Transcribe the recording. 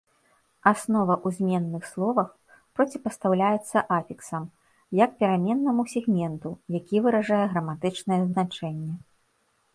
Аснова ў зменных словах проціпастаўляецца афіксам, як пераменнаму сегменту, які выражае граматычнае значэнне.